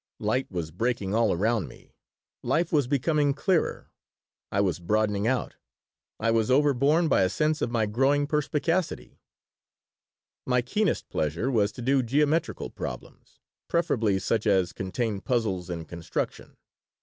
Light was breaking all around me. Life was becoming clearer. I was broadening out. I was overborne by a sense of my growing perspicacity My keenest pleasure was to do geometrical problems, preferably such as contained puzzles in construction.